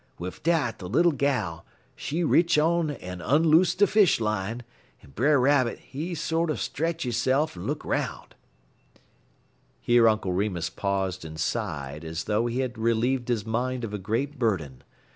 Wid dat de Little Gal, she retch down en onloose de fish line, en Brer Rabbit, he sorter stretch hisse'f en look 'roun'." Here Uncle Remus paused and sighed, as though he had relieved his mind of a great burden.